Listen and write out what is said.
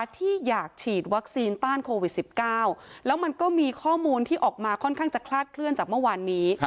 ที่อยากฉีดวัคซีนต้านโควิด๑๙แล้วมันก็มีข้อมูลที่ออกมาค่อนข้างจะคลาดเคลื่อนจากเมื่อวานนี้